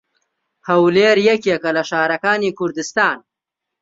هەولێر یەکێکە لە شارەکانی کوردستان.